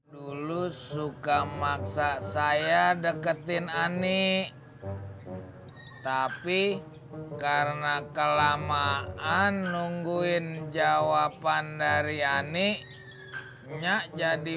dulu suka maksa saya deketin ani tapi karena kelamaan nungguin jawaban dari ani nya jadi